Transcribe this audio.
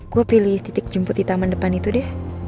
gue pilih titik jemput di taman depan itu deh